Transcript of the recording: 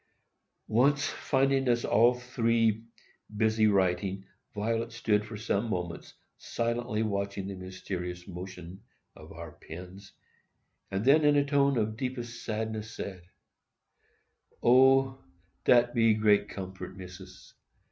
] Once, finding us all three busily writing, Violet stood for some moments silently watching the mysterious motion of our pens, and then, in a tone of deepest sadness, said, "O! dat be great comfort, Missis.